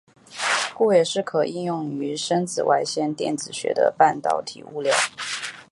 故也是可应用于深紫外线光电子学的半导体物料。